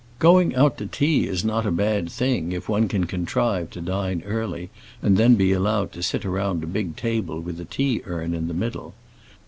Going out to tea is not a bad thing, if one can contrive to dine early, and then be allowed to sit round a big table with a tea urn in the middle.